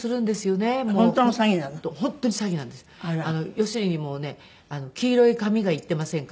要するにもうね「黄色い紙がいっていませんか？」